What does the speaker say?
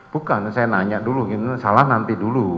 bukan saya nanya dulu ini salah nanti dulu